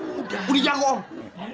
udah udah jauh om